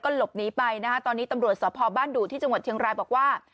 หลบหนีไปนะคะตอนนี้ตำรวจสพบ้านดูที่จังหวัดเชียงรายบอกว่า